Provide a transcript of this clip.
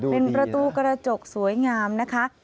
เป็นประตูกระจกสวยงามนะคะ